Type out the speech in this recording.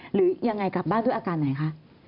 หรือยังไงกลับบ้านด้วยอาการไหนคะ